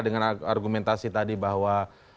dengan argumentasi tadi bahwa